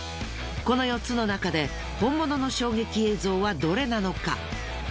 この４つのなかで本物の衝撃映像はどれなのか？